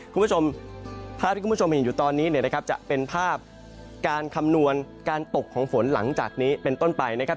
คุณผู้ชมภาพที่คุณผู้ชมเห็นอยู่ตอนนี้เนี่ยนะครับจะเป็นภาพการคำนวณการตกของฝนหลังจากนี้เป็นต้นไปนะครับ